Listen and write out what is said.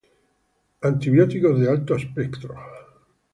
Tx: antibióticos de alto espectro.